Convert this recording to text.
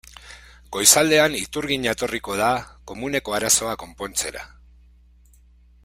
Goizaldean iturgina etorriko da komuneko arazoa konpontzera.